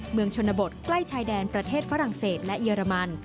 เมืองชนบทใกล้ชายแดนประเทศฝรั่งเศสและเยอรมัน